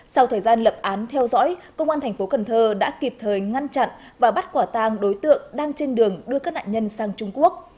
sau thời gian lập án theo dõi công an thành phố cần thơ đã kịp thời ngăn chặn và bắt quả tàng đối tượng đang trên đường đưa các nạn nhân sang trung quốc